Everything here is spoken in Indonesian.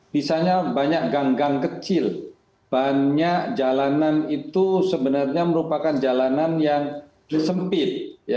misalnya banyak gang gang kecil banyak jalanan itu sebenarnya merupakan jalanan yang sempit